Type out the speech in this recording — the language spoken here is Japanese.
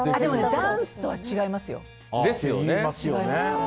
ダンスとは違いますよ。